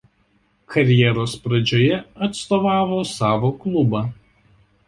Karjeros pradžioje atstovavo savo klubą.